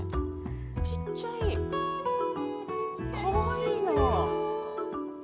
ちっちゃい、かわいいな。